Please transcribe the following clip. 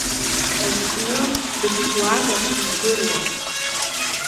Дҿажәкны дыԥсуазар сыздыруам.